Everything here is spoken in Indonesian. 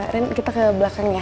ren kita ke belakang ya